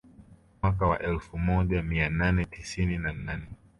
Mwaka wa elfu moja mia nane tisini na nane